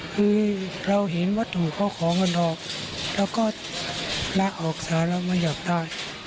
คือเราเห็นว่าถูกเข้าของกันแล้วก็ละออกสารแล้วไม่อยากได้